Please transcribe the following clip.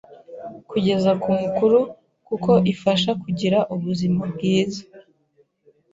kugeza ku mukuru kuko ifasha kugira ubuzima bwiza.